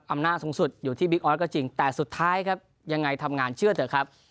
อำนาจสูงสุดอยู่ที่บิ๊กออสก็จริงแต่สุดท้ายครับยังไงทำงานเชื่อเถอะครับ